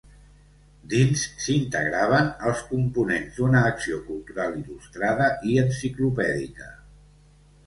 Dins, s'integraven els components d'una acció cultural il·lustrada i enciclopèdica.